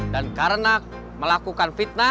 dan karena melakukan fitnah